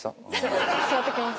座っておきます。